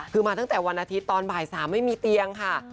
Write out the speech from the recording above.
คือมาตั้งแต่วันอาทิตย์ตอนบ่าย๓ไม่มีเตียงค่ะ